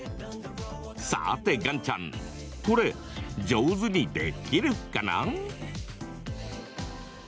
さて岩ちゃんこれ、上手にできるかな？